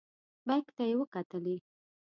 بیک ته یې وکتلې.